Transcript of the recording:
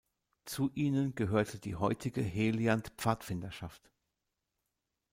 Zu ihnen gehörte die heutige Heliand-Pfadfinderschaft.